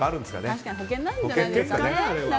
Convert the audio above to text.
確かに保険なんじゃないですかね。